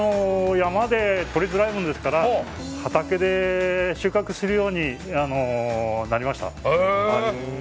山でとりづらいものですから畑で収穫するようになりました。